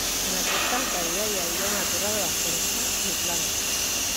En aquesta alqueria hi havia una torre de defensa islàmica.